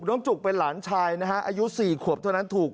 จุกเป็นหลานชายนะฮะอายุ๔ขวบเท่านั้นถูก